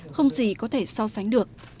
không gì có thể so sánh được